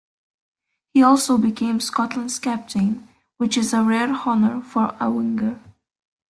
He also became Scotland's captain, which is a rare honour for a winger.